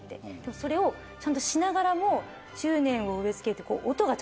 それをちゃんとしながらも「執念を植え付ける」って。